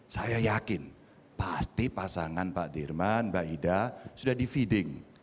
saya yakin pasti pasangan pak dirman mbak ida sudah di feeding